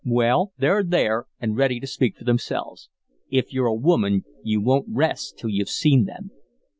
Well, they're there and ready to speak for themselves. If you're a woman you won't rest till you've seen them.